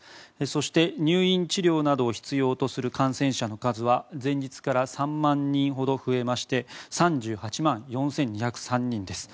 そして入院治療などを必要とする感染者の数は前日から３万人ほど増えまして３８万４２０３人です。